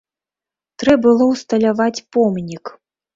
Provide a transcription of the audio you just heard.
Трэ было ўсталяваць помнік.